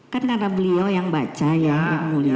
kan karena beliau yang baca yang mulia